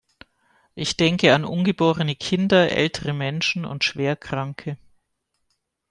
Ich denke an ungeborene Kinder, ältere Menschen und Schwerkranke.